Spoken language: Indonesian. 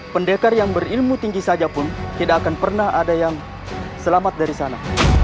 pendekar yang berilmu tinggi saja pun tidak akan pernah ada yang selamat dari sana